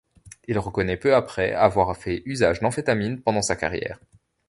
Il reconnait peu après avoir fait usage d'amphétamines pendant sa carrière.